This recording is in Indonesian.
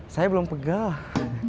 saya belum pegal